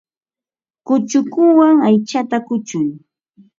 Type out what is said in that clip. Kuchukuwan aychata kuchuy.